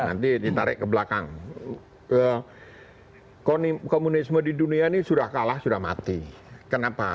nanti ditarik ke belakang komunisme di dunia ini sudah kalah sudah mati kenapa